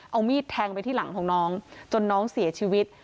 เอามีดแทงไปที่หลังของน้องจนน้องเสียชีวิต